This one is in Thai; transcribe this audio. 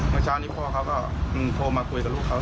เมื่อเช้านี้พ่อเขาก็โทรมาคุยกับลูกเขา